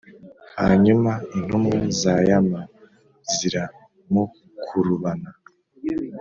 hanyuma intumwa za yama ziramukurubana